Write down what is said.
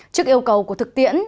trước yêu cầu của thực tiễn